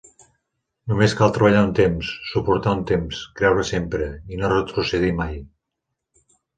Només cal treballar un temps, suportar un temps, creure sempre, i no retrocedir mai.